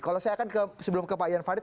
kalau saya akan sebelum ke pak ian farid